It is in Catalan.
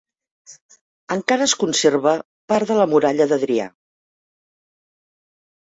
Encara es conserva part de la muralla d'Adrià.